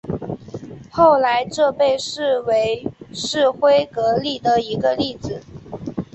后来这被视为是辉格史的一个例子。